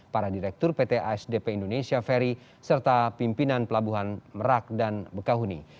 para direktur pt asdp indonesia ferry serta pimpinan pelabuhan merak dan bekahuni